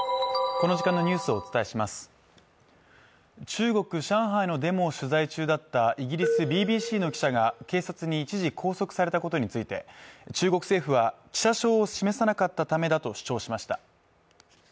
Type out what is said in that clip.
中国・上海のデモを取材中だったイギリスＢＢＣの記者が警察に一時、拘束されたことについて、中国政府は記者証を示さなかったためだと主張しました。